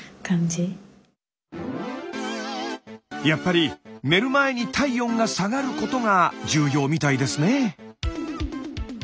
やっぱり寝る前に体温が下がることが重要みたいですね。